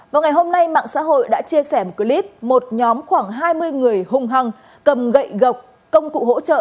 vào ngày hôm nay mạng xã hội đã chia sẻ một clip một nhóm khoảng hai mươi người hung hăng cầm gậy gộc công cụ hỗ trợ